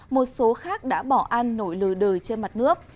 một số khác đã bỏ ăn nổi lừa đời trên mặt nước